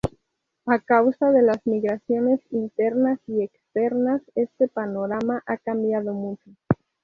A causa de las migraciones internas y externas, este panorama ha cambiado mucho.